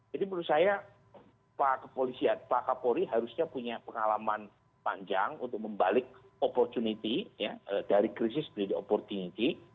jadi menurut saya pak kapolri harusnya punya pengalaman panjang untuk membalik opportunity ya dari krisis menjadi opportunity